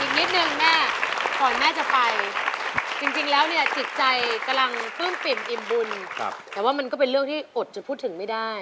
นิดนึงแม่ก่อนแม่จะไปจริงแล้วเนี่ยจิตใจกำลังปลื้มปิ่มอิ่มบุญแต่ว่ามันก็เป็นเรื่องที่อดจะพูดถึงไม่ได้